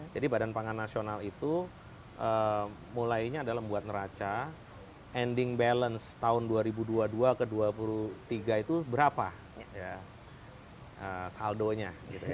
jadi bpn itu mulainya adalah membuat neraca ending balance tahun dua ribu dua puluh dua ke dua ribu dua puluh tiga itu berapa saldonya